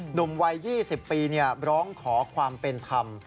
หนุ่มวัย๒๐ปีร้องขอความเป็นธรรม